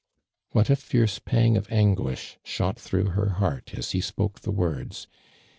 What a fierce pang of anguish shot through her heart as he spoke the words.